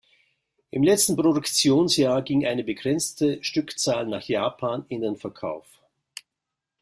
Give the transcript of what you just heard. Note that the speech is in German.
Im letzten Produktionsjahr ging eine begrenzte Stückzahl nach Japan in den Verkauf.